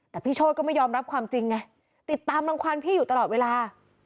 แต่พี่โชธก็ไม่ยอมรับความจริงไงติดตามรังความพี่อยู่ตลอดเวลา